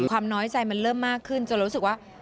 น้อยใจมันเริ่มมากขึ้นจนรู้สึกว่า